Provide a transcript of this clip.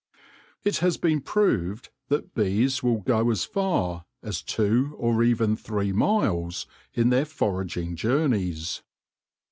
It has been proved that bees will go as far as two or even three miles in their foraging journeys.